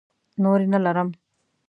نورې نه لرم.